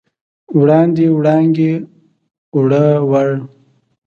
وړاندې، وړانګې، اووړه، وړ